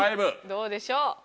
どうでしょう？